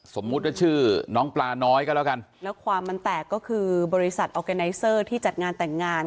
สมมุติว่าชื่อน้องปลาน้อยก็แล้วกันแล้วความมันแตกก็คือบริษัทออร์แกไนเซอร์ที่จัดงานแต่งงาน